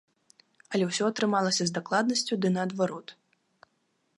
Але ўсё атрымалася з дакладнасцю да наадварот.